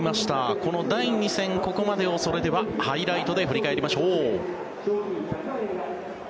この第２戦、ここまでをそれではハイライトで振り返りましょう。